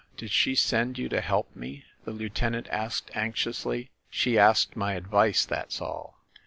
Did she send you to help me?" the lieutenant asked anxiously. "She asked my advice, that's all.